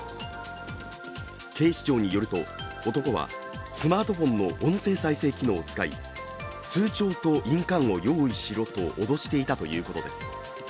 警視庁によると、男はスマートフォンの音声再生機能を使い通帳と印鑑を用意しろと脅していたということです。